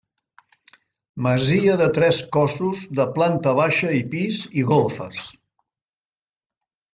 Masia de tres cossos de planta baixa i pis i golfes.